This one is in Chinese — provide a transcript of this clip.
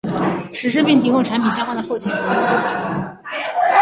实施并提供产品相关的后勤服务。